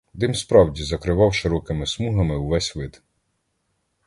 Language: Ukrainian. Дим справді закривав широкими смугами увесь вид.